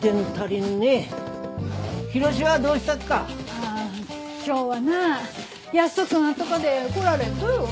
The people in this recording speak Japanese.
ああ今日はな約束あっとかで来られんとよ。